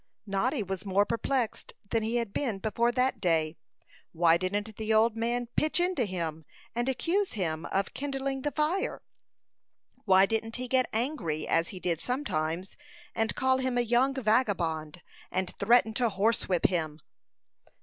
Noddy was more perplexed than he had been before that day. Why didn't the old man "pitch into him," and accuse him of kindling the fire? Why didn't he get angry, as he did sometimes, and call him a young vagabond, and threaten to horsewhip him?